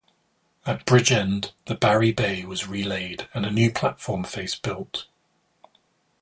At Bridgend, the Barry bay was relaid and a new platform face built.